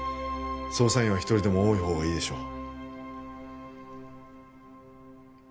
捜査員は一人でも多いほうがいいでしょう